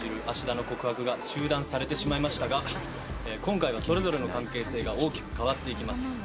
芦田の告白が中断されてしまいましたが今回はそれぞれの関係性が大きく変わっていきます